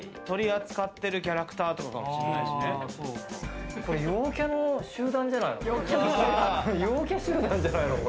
取り扱ってるキャラクターとこれ陽キャの集団じゃない？